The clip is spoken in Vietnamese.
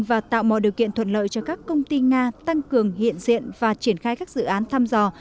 và tạo mọi điều kiện thuận lợi cho các công ty nga tăng cường hiện diện và triển khai các dự án thăm dò